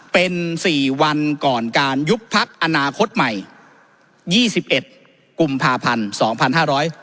เป็น๔วันก่อนการยุบพักอนาคตใหม่๒๑กุมภาพันธ์๒๕๖๓